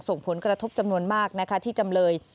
ส่งผลกระทบจำนวนมากนะคะที่จำเลย